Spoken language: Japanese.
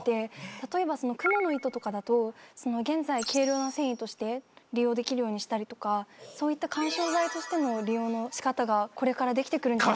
例えばクモの糸とかだと現在軽量な繊維として利用できるようにしたりとかそういった緩衝材としても利用の仕方がこれからできて来るんじゃ。